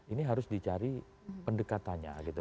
ini harus dicari pendekatannya gitu